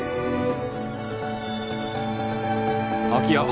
空き家。